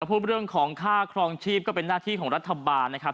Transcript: พูดเรื่องของค่าครองชีพก็เป็นหน้าที่ของรัฐบาลนะครับ